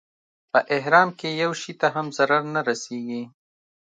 په احرام کې یو شي ته هم ضرر نه رسېږي.